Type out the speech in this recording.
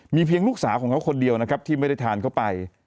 เพียงลูกสาวของเขาคนเดียวนะครับที่ไม่ได้ทานเข้าไป